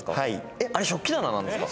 えっあれ食器棚なんですか！？